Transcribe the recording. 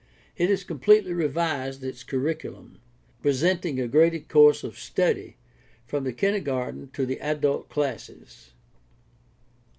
It has completely revised its curriculum, presenting a graded course of study from the kindergarten to the adult classes.